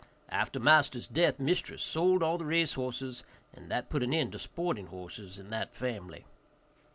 After master's death, mistress sold all the race horses, and that put an end to sporting horses in that family.